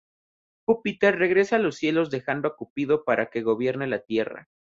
Júpiter regresa a los cielos dejando a Cupido para que gobierne la tierra.